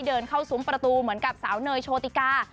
เดินเข้าซุ้มประตูเหมือนกับสาวเนยโชติกา